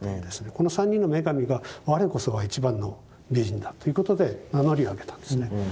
この３人の女神が我こそは一番の美人だということで名乗りを上げたんですね。